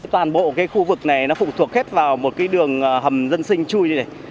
toàn bộ cái khu vực này nó phụ thuộc hết vào một cái đường hầm dân sinh chui này